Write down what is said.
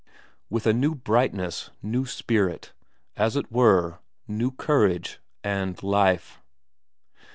With a new brightness, new spirit; as it were, new courage and life.